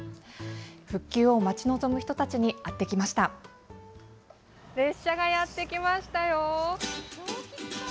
復旧を待ち望む人たちに会ってきました。